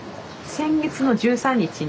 先月の１３日に。